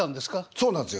そうなんですよ